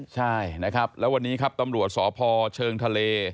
ใช่นะครับแล้ววันนี้ครับตำรวจสพเชิงทะเล